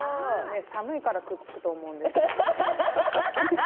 寒いからくっつくと思うんですけど。